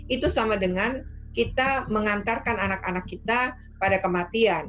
itu sama dengan kita mengantarkan anak anak kita pada kematian